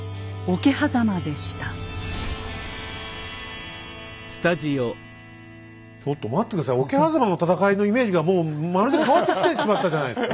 桶狭間の戦いのイメージがもうまるで変わってきてしまったじゃないですか！